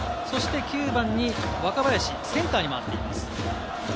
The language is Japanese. ９番に若林、センターに回っています。